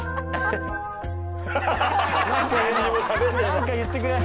何か言ってくれ。